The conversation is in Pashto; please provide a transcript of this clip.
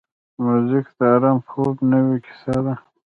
موزیک د آرام خوب نوې کیسه ده.